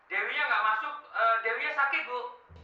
dewinya gak masuk dewinya sakit bu